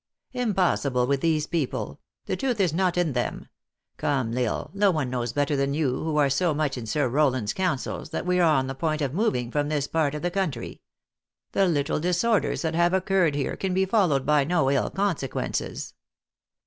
" Impossible, with these people ; the truth is not in them. Come, L Isle, no one knows better than you, who are so much in Sir Rowland s councils, that we are on the point of moving from this part of the country. The little disorders that have occurred here, can be followed by no ill consequences."